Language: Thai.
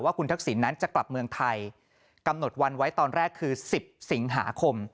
คุณทักษิณนั้นจะกลับเมืองไทยกำหนดวันไว้ตอนแรกคือ๑๐สิงหาคม